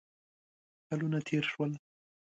کلونه تېر شول.